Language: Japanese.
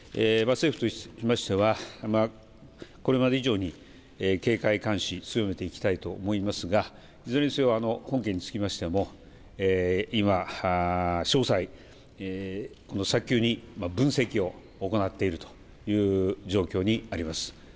政府としましてはこれまで以上に警戒監視を強めていきたいと思いますが、いずれにせよ本件につきましても詳細、早急に分析を行っているという状況にあります。